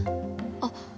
あっ！